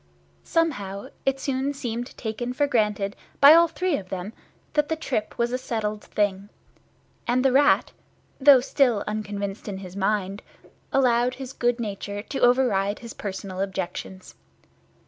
Somehow, it soon seemed taken for granted by all three of them that the trip was a settled thing; and the Rat, though still unconvinced in his mind, allowed his good nature to over ride his personal objections.